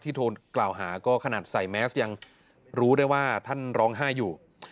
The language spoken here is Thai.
โทรกล่าวหาก็ขนาดใส่แมสยังรู้ได้ว่าท่านร้องไห้อยู่